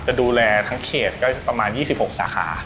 จะดูแลทั้งเขตก็ประมาณ๒๖สาขา